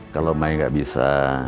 kalau mai nggak bisa